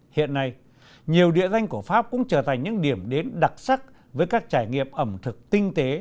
hiện nay nhiều địa danh của pháp cũng trở thành những điểm đến đặc sắc với các trải nghiệm ẩm thực tinh tế